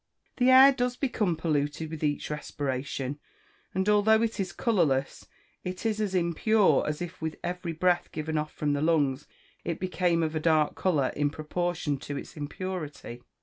The air does become polluted with each respiration, and although it is colourless, it is as impure as if with every breath given off from the lungs it became of a dark colour in proportion to its impurity.